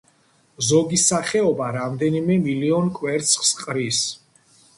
ზოგი სახეობა რამდენიმე მილიონ კვერცხს ყრის.